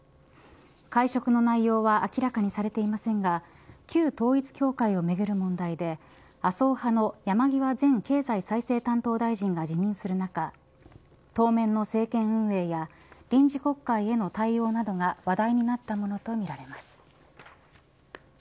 会食の内容は明らかにされていませんが旧統一教会をめぐる問題で麻生派の山際前経済再生担当大臣が辞任する中当面の政権運営や臨時国会への対応などが話題になったものとみられます。